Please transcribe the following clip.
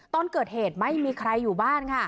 ตอนเกิดเหตุไม่มีใครอยู่บ้านค่ะ